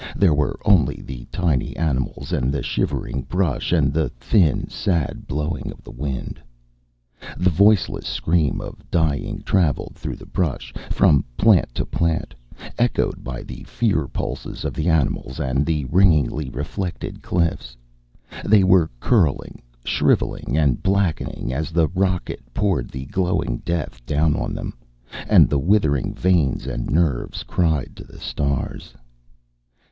There were only the tiny animals and the shivering brush and the thin, sad blowing of the wind. The voiceless scream of dying traveled through the brush, from plant to plant, echoed by the fear pulses of the animals and the ringingly reflecting cliffs. They were curling, shriveling and blackening as the rocket poured the glowing death down on them, and the withering veins and nerves cried to the stars.